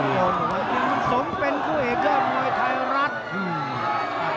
มันสมเป็นคู่เหตุยอดมวยไทยรัฐ